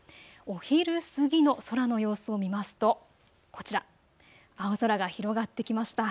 お昼過ぎの空の様子を見ますとこちら、青空が広がってきました。